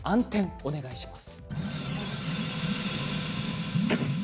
お願いします。